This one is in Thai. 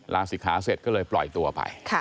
ลาศิกขาเสร็จก็เลยปล่อยตัวไป